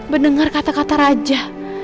mendengar kata kata raja